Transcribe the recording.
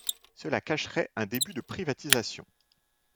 Cela cacherait un début de privatisation.